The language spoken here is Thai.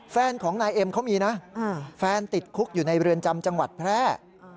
แฟนของนายเอ็มเขามีนะแฟนติดคุกอยู่ในเรือนจำจังหวัดแพร่